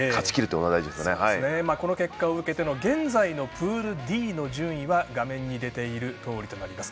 この結果を受けての現在のプールＤの順位は画面に出ているとおりです。